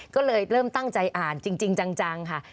ก็เลยเริ่มตั้งใจอ่านจริงจังค่ะ